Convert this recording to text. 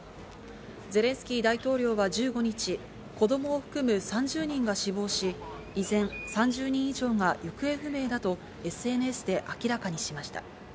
ゼレンスキー大統領は１５日、子供を含む３０人が死亡し、依然３０人以上が行方不明だとＳＮＳで明らかにしました。